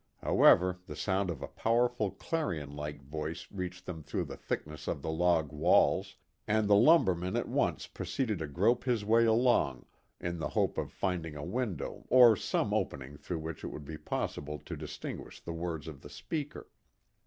However, the sound of a powerful, clarion like voice reached them through the thickness of the log walls, and the lumberman at once proceeded to grope his way along in the hope of finding a window or some opening through which it would be possible to distinguish the words of the speaker.